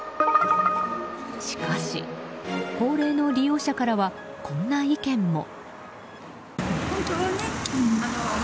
しかし、高齢の利用者からはこんな意見も。